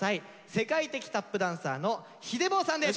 世界的タップダンサーのＨｉｄｅｂｏＨさんです。